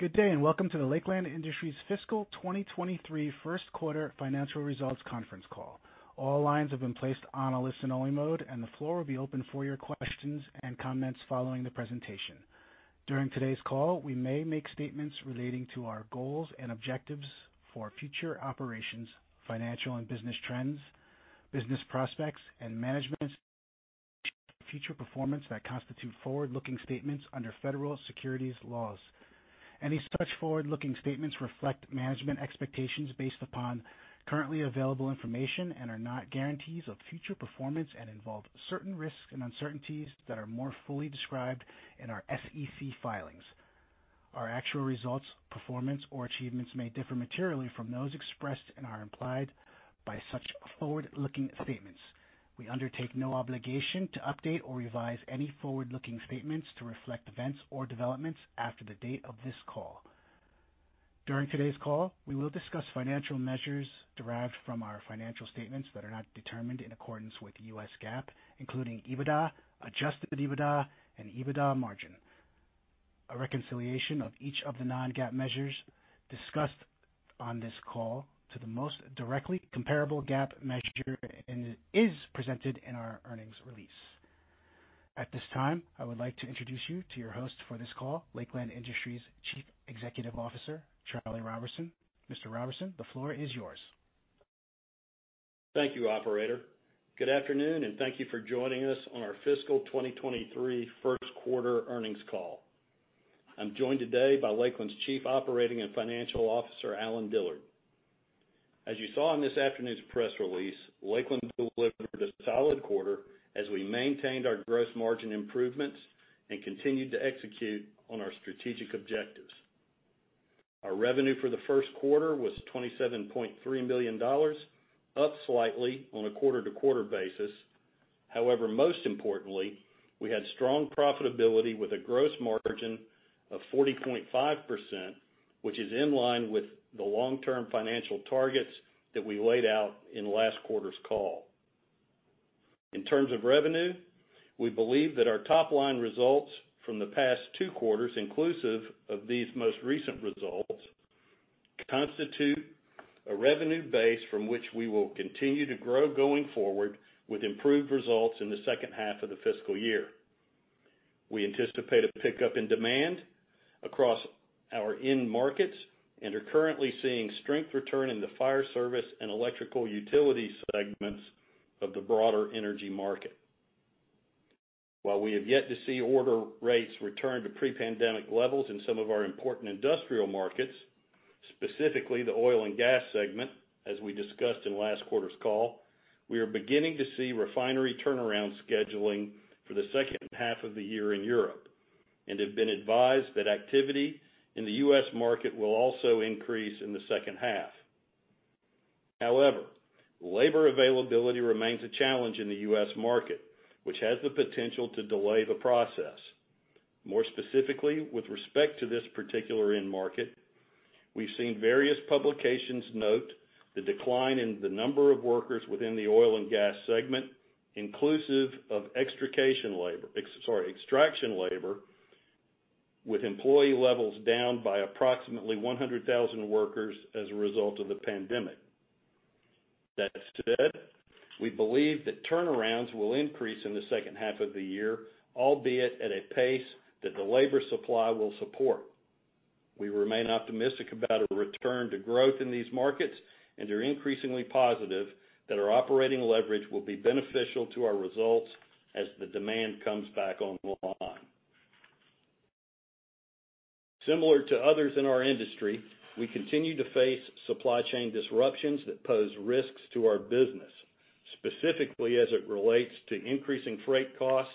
Good day, and welcome to the Lakeland Industries Fiscal 2023 First Quarter Financial Results conference call. All lines have been placed on a listen-only mode, and the floor will be open for your questions and comments following the presentation. During today's call, we may make statements relating to our goals and objectives for future operations, financial and business trends, business prospects, and management's future performance that constitute forward-looking statements under federal securities laws. Any such forward-looking statements reflect management expectations based upon currently available information and are not guarantees of future performance and involve certain risks and uncertainties that are more fully described in our SEC filings. Our actual results, performance, or achievements may differ materially from those expressed and are implied by such forward-looking statements. We undertake no obligation to update or revise any forward-looking statements to reflect events or developments after the date of this call. During today's call, we will discuss financial measures derived from our financial statements that are not determined in accordance with US GAAP, including EBITDA, adjusted EBITDA, and EBITDA margin. A reconciliation of each of the non-GAAP measures discussed on this call to the most directly comparable GAAP measure is presented in our earnings release. At this time, I would like to introduce you to your host for this call, Lakeland Industries Chief Executive Officer, Charlie Roberson. Mr. Roberson, the floor is yours. Thank you, operator. Good afternoon, and thank you for joining us on our fiscal 2023 first quarter earnings call. I'm joined today by Lakeland's Chief Operating and Financial Officer, Allen Dillard. As you saw in this afternoon's press release, Lakeland delivered a solid quarter as we maintained our gross margin improvements and continued to execute on our strategic objectives. Our revenue for the first quarter was $27.3 million, up slightly on a quarter-to-quarter basis. However, most importantly, we had strong profitability with a gross margin of 40.5%, which is in line with the long-term financial targets that we laid out in last quarter's call. In terms of revenue, we believe that our top-line results from the past two quarters, inclusive of these most recent results, constitute a revenue base from which we will continue to grow going forward with improved results in the second half of the fiscal year. We anticipate a pickup in demand across our end markets and are currently seeing strength return in the fire service and electrical utility segments of the broader energy market. While we have yet to see order rates return to pre-pandemic levels in some of our important industrial markets, specifically the oil and gas segment, as we discussed in last quarter's call, we are beginning to see refinery turnaround scheduling for the second half of the year in Europe and have been advised that activity in the U.S. market will also increase in the second half. However, labor availability remains a challenge in the U.S. market, which has the potential to delay the process. More specifically, with respect to this particular end market, we've seen various publications note the decline in the number of workers within the oil and gas segment, inclusive of extraction labor with employee levels down by approximately 100,000 workers as a result of the pandemic. That said, we believe that turnarounds will increase in the second half of the year, albeit at a pace that the labor supply will support. We remain optimistic about a return to growth in these markets and are increasingly positive that our operating leverage will be beneficial to our results as the demand comes back online. Similar to others in our industry, we continue to face supply chain disruptions that pose risks to our business, specifically as it relates to increasing freight costs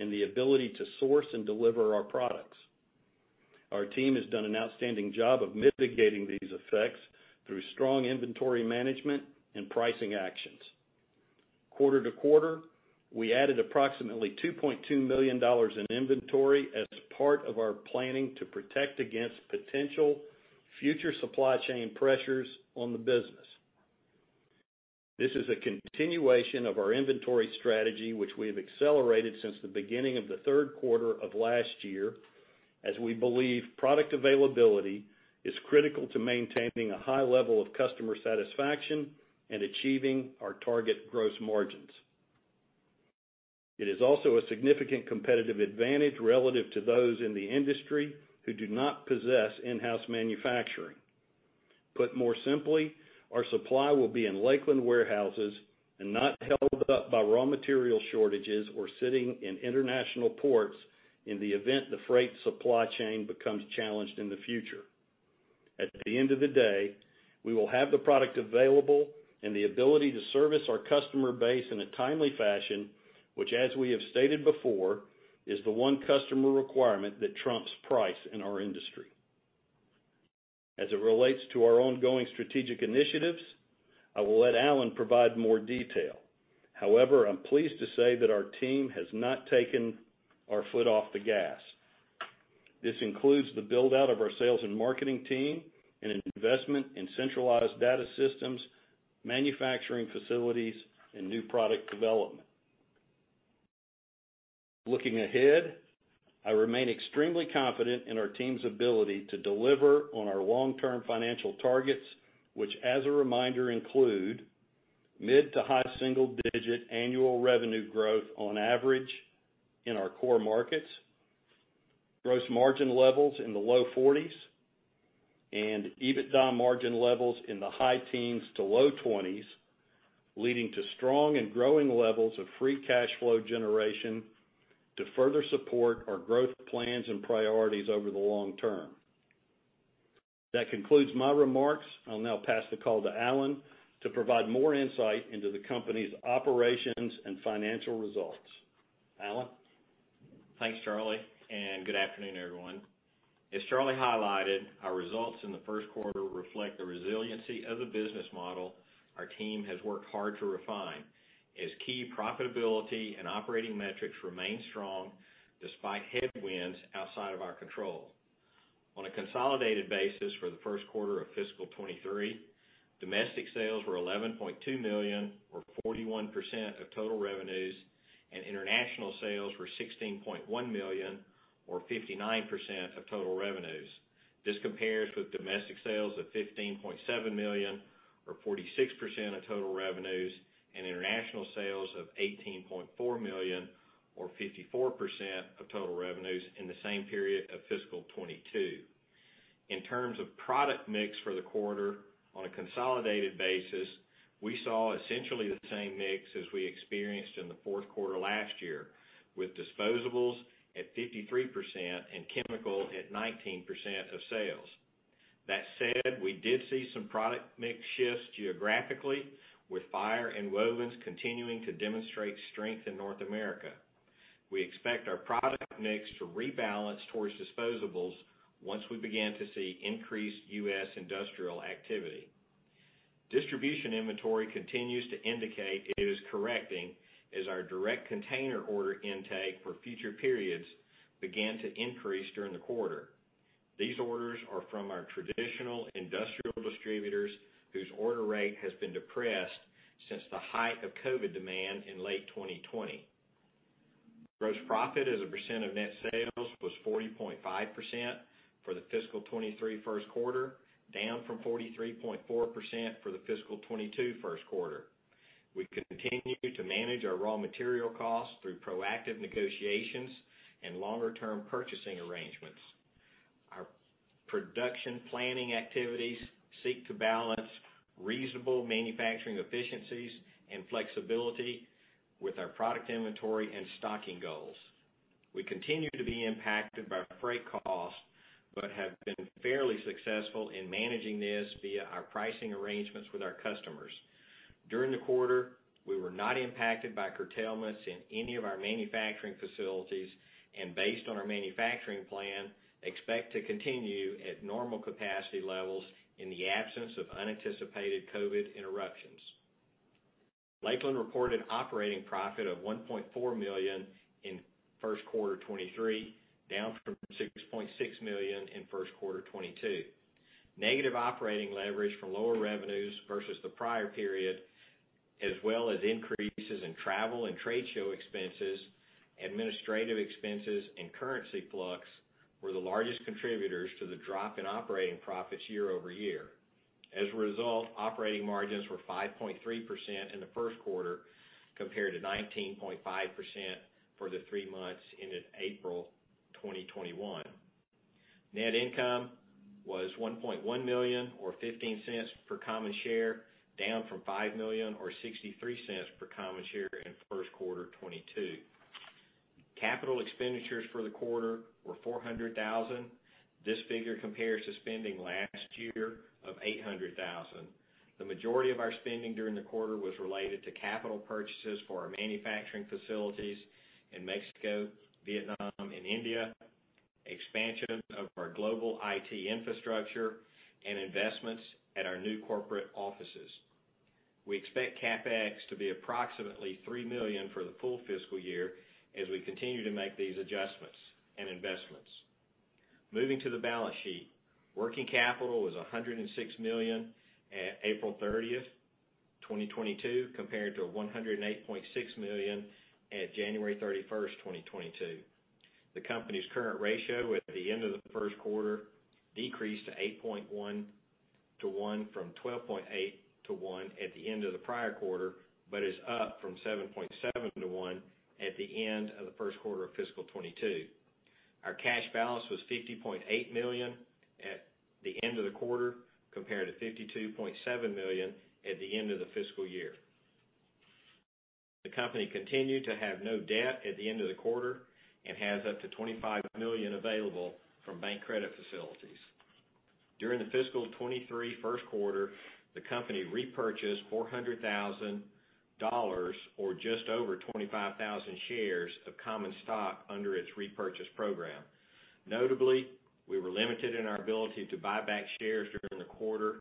and the ability to source and deliver our products. Our team has done an outstanding job of mitigating these effects through strong inventory management and pricing actions. Quarter-to-quarter, we added approximately $2.2 million in inventory as part of our planning to protect against potential future supply chain pressures on the business. This is a continuation of our inventory strategy, which we have accelerated since the beginning of the third quarter of last year, as we believe product availability is critical to maintaining a high level of customer satisfaction and achieving our target gross margins. It is also a significant competitive advantage relative to those in the industry who do not possess in-house manufacturing. Put more simply, our supply will be in Lakeland warehouses and not held up by raw material shortages or sitting in international ports in the event the freight supply chain becomes challenged in the future. At the end of the day, we will have the product available and the ability to service our customer base in a timely fashion, which as we have stated before, is the one customer requirement that trumps price in our industry. As it relates to our ongoing strategic initiatives, I will let Allen provide more detail. However, I'm pleased to say that our team has not taken our foot off the gas. This includes the build-out of our sales and marketing team and investment in centralized data systems, manufacturing facilities, and new product development. Looking ahead, I remain extremely confident in our team's ability to deliver on our long-term financial targets, which as a reminder, include mid- to high-single-digit annual revenue growth on average in our core markets, gross margin levels in the low 40s, and EBITDA margin levels in the high teens to low 20s, leading to strong and growing levels of free cash flow generation to further support our growth plans and priorities over the long term. That concludes my remarks. I'll now pass the call to Allen to provide more insight into the company's operations and financial results. Allen? Thanks, Charlie, and good afternoon, everyone. As Charlie highlighted, our results in the first quarter reflect the resiliency of the business model our team has worked hard to refine, as key profitability and operating metrics remain strong despite headwinds outside of our control. On a consolidated basis for the first quarter of fiscal 2023, domestic sales were $11.2 million, or 41% of total revenues, and international sales were $16.1 million, or 59% of total revenues. This compares with domestic sales of $15.7 million, or 46% of total revenues, and international sales of $18.4 million, or 54% of total revenues in the same period of fiscal 2022. In terms of product mix for the quarter on a consolidated basis, we saw essentially the same mix as we experienced in the fourth quarter last year, with disposables at 53% and chemical at 19% of sales. That said, we did see some product mix shifts geographically with fire and wovens continuing to demonstrate strength in North America. We expect our product mix to rebalance towards disposables once we begin to see increased U.S. industrial activity. Distribution inventory continues to indicate it is correcting as our direct container order intake for future periods began to increase during the quarter. These orders are from our traditional industrial distributors whose order rate has been depressed since the height of COVID demand in late 2020. Gross profit as a percent of net sales was 40.5% for the fiscal 2023 first quarter, down from 43.4% for the fiscal 2022 first quarter. We continue to manage our raw material costs through proactive negotiations and longer term purchasing arrangements. Our production planning activities seek to balance reasonable manufacturing efficiencies and flexibility with our product inventory and stocking goals. We continue to be impacted by freight costs, but have been fairly successful in managing this via our pricing arrangements with our customers. During the quarter, we were not impacted by curtailments in any of our manufacturing facilities, and based on our manufacturing plan, expect to continue at normal capacity levels in the absence of unanticipated COVID interruptions. Lakeland reported operating profit of $1.4 million in first quarter 2023, down from $6.6 million in first quarter 2022. Negative operating leverage from lower revenues versus the prior period, as well as increases in travel and trade show expenses, administrative expenses, and currency fluctuations were the largest contributors to the drop in operating profits year-over-year. Operating margins were 5.3% in the first quarter compared to 19.5% for the three months ended April 2021. Net income was $1.1 million or $0.15 per common share, down from $5 million or $0.63 per common share in first quarter 2022. Capital expenditures for the quarter were $400,000. This figure compares to spending last year of $800,000. The majority of our spending during the quarter was related to capital purchases for our manufacturing facilities in Mexico, Vietnam and India, expansion of our global IT infrastructure, and investments at our new corporate offices. We expect CapEx to be approximately $3 million for the full fiscal year as we continue to make these adjustments and investments. Moving to the balance sheet. Working capital was $106 million at April 30th, 2022, compared to $108.6 million at January 31st, 2022. The company's current ratio at the end of the first quarter decreased to 8.1-1 from 12.8-1 at the end of the prior quarter, but is up from 7.7-1 at the end of the first quarter of fiscal 2022. Our cash balance was $50.8 million at the end of the quarter, compared to $52.7 million at the end of the fiscal year. The company continued to have no debt at the end of the quarter and has up to $25 million available from bank credit facilities. During the fiscal 2023 first quarter, the company repurchased $400,000 or just over 25,000 shares of common stock under its repurchase program. Notably, we were limited in our ability to buy back shares during the quarter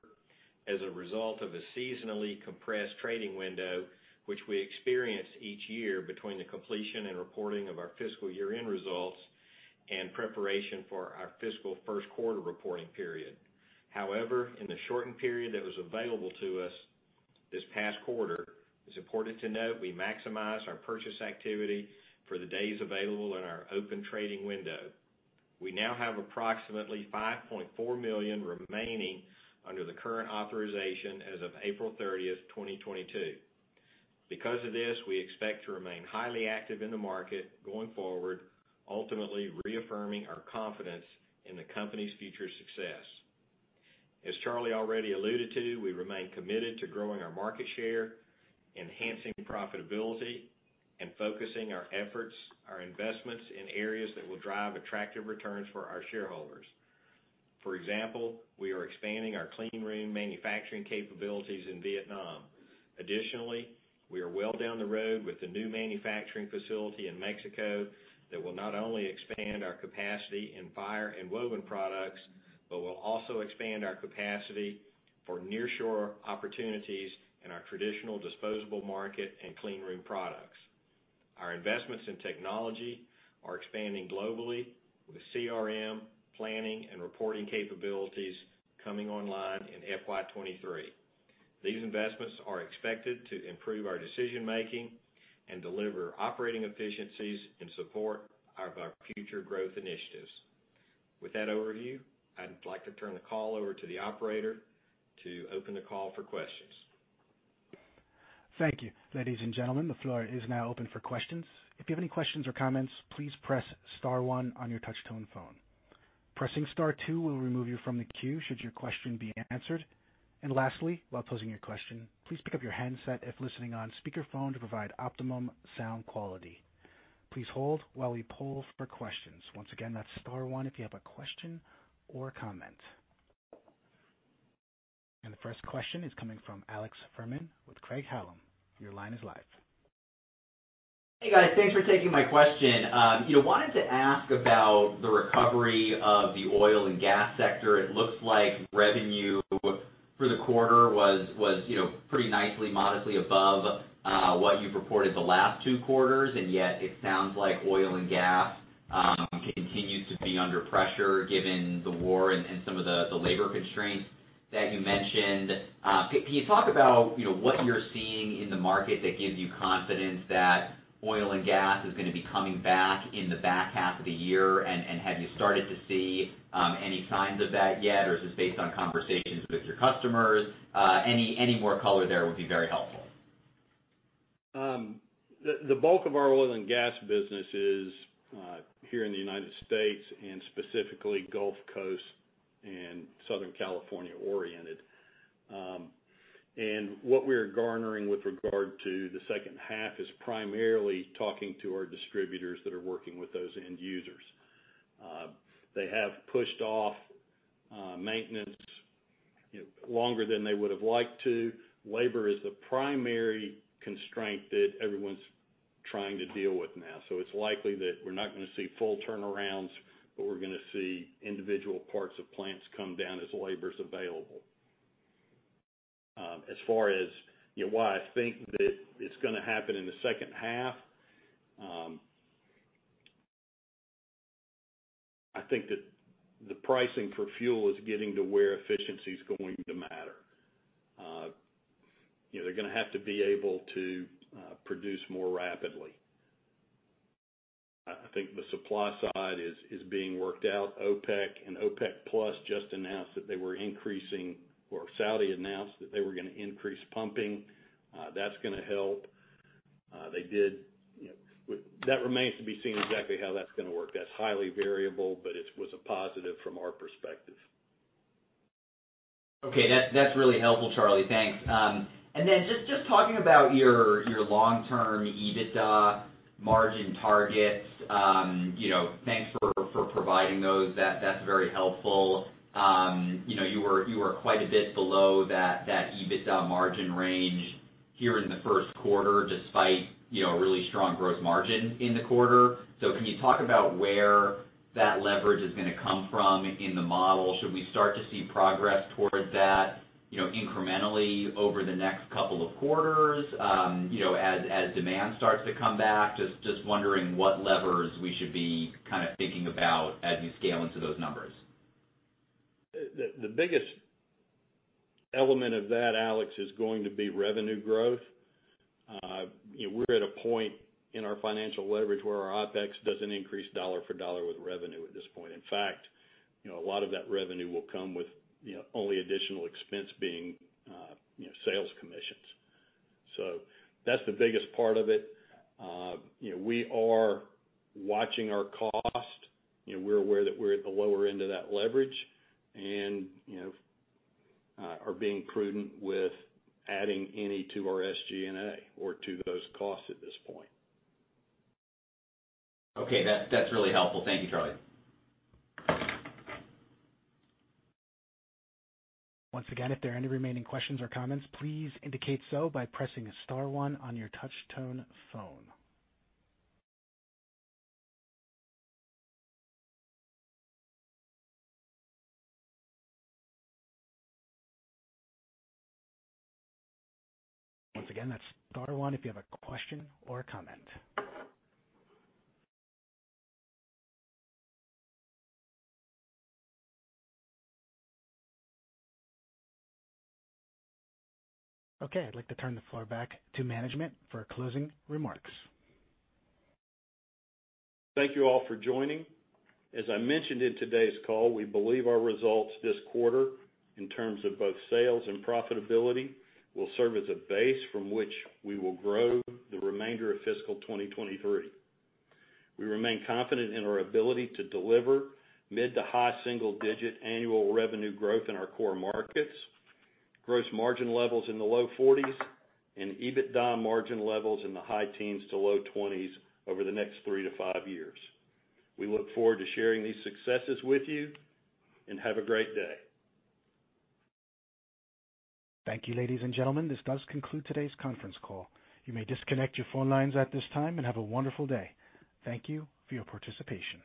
as a result of a seasonally compressed trading window, which we experience each year between the completion and reporting of our fiscal year-end results. Preparation for our fiscal first quarter reporting period. However, in the shortened period that was available to us this past quarter, it's important to note we maximized our purchase activity for the days available in our open trading window. We now have approximately $5.4 million remaining under the current authorization as of April 30th, 2022. Because of this, we expect to remain highly active in the market going forward, ultimately reaffirming our confidence in the company's future success. As Charlie already alluded to, we remain committed to growing our market share, enhancing profitability, and focusing our efforts, our investments in areas that will drive attractive returns for our shareholders. For example, we are expanding our clean room manufacturing capabilities in Vietnam. Additionally, we are well down the road with the new manufacturing facility in Mexico that will not only expand our capacity in fire and wovens products, but will also expand our capacity for nearshore opportunities in our traditional disposable market and cleanroom products. Our investments in technology are expanding globally with CRM planning and reporting capabilities coming online in FY 2023. These investments are expected to improve our decision-making and deliver operating efficiencies and support our future growth initiatives. With that overview, I'd like to turn the call over to the operator to open the call for questions. Thank you. Ladies and gentlemen, the floor is now open for questions. If you have any questions or comments, please press star one on your touchtone phone. Pressing star two will remove you from the queue should your question be answered. Lastly, while posing your question, please pick up your handset if listening on speakerphone to provide optimum sound quality. Please hold while we poll for questions. Once again, that's star one if you have a question or comment. The first question is coming from Alex Fuhrman with Craig-Hallum Capital Group. Your line is live. Hey, guys. Thanks for taking my question. You know, wanted to ask about the recovery of the oil and gas sector. It looks like revenue for the quarter was, you know, pretty nicely modestly above what you've reported the last two quarters, and yet it sounds like oil and gas continues to be under pressure given the war and some of the labor constraints that you mentioned. Can you talk about, you know, what you're seeing in the market that gives you confidence that oil and gas is gonna be coming back in the back half of the year? Have you started to see any signs of that yet? Or is this based on conversations with your customers? Any more color there would be very helpful. The bulk of our oil and gas business is here in the United States and specifically Gulf Coast and Southern California oriented. What we're garnering with regard to the second half is primarily talking to our distributors that are working with those end users. They have pushed off maintenance, you know, longer than they would've liked to. Labor is the primary constraint that everyone's trying to deal with now. It's likely that we're not gonna see full turnarounds, but we're gonna see individual parts of plants come down as labor's available. As far as, you know, why I think that it's gonna happen in the second half, I think that the pricing for fuel is getting to where efficiency is going to matter. You know, they're gonna have to be able to produce more rapidly. I think the supply side is being worked out. OPEC and OPEC+ just announced or Saudi announced that they were gonna increase pumping. That's gonna help. They did. That remains to be seen exactly how that's gonna work. That's highly variable, but it was a positive from our perspective. Okay. That's really helpful, Charlie, thanks. Then just talking about your long-term EBITDA margin targets. You know, thanks for providing those. That's very helpful. You know, you were quite a bit below that EBITDA margin range here in the first quarter despite you know, really strong gross margin in the quarter. Can you talk about where that leverage is gonna come from in the model? Should we start to see progress towards that, you know, incrementally over the next couple of quarters, you know, as demand starts to come back? Just wondering what levers we should be kinda thinking about as you scale into those numbers. The biggest element of that, Alex, is going to be revenue growth. You know, we're at a point in our financial leverage where our OpEx doesn't increase dollar for dollar with revenue at this point. In fact, you know, a lot of that revenue will come with you know, only additional expense being you know, sales commissions. That's the biggest part of it. You know, we are watching our cost. You know, we're aware that we're at the lower end of that leverage and you know, are being prudent with adding any to our SG&A or to those costs at this point. Okay. That's really helpful. Thank you, Charlie. Once again, if there are any remaining questions or comments, please indicate so by pressing star one on your touch tone phone. Once again, that's star one if you have a question or a comment. Okay, I'd like to turn the floor back to management for closing remarks. Thank you all for joining. As I mentioned in today's call, we believe our results this quarter in terms of both sales and profitability will serve as a base from which we will grow the remainder of fiscal 2023. We remain confident in our ability to deliver mid- to high-single-digit annual revenue growth in our core markets, gross margin levels in the low 40s, and EBITDA margin levels in the high 10s-low 20s over the next three to five years. We look forward to sharing these successes with you, and have a great day. Thank you, ladies and gentlemen. This does conclude today's conference call. You may disconnect your phone lines at this time and have a wonderful day. Thank you for your participation.